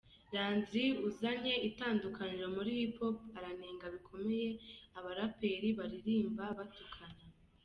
Landry uzanye itandukaniro muri Hip Hop aranenga bikomeye abaraperi baririmba batukana.